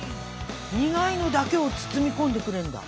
苦いのだけを包み込んでくれるんだ。